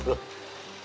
tunggu papa nggak tahu